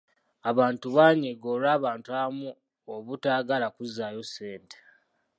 Abantu baanyiiga olw'abantu abamu obutaagala kuzzaayo ssente.